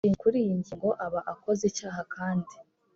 dushingiye kuri iyi ngingo aba akoze icyaha kandi